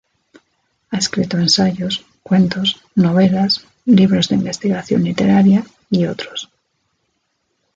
Ha escrito ensayos, cuentos, novelas, libros de investigación literaria y otros.